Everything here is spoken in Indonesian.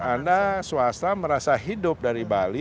anda swasta merasa hidup dari bali